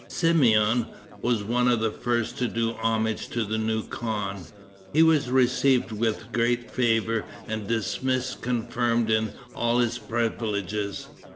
Simeon was one of the first to do homage to the new khan. He was received with great favor, and dismissed confirmed in all his privileges.